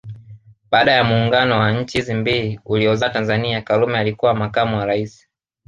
Baada ya muungano wa nchi hizi mbili uliozaa Tanzania Karume alikuwa makamu wa rais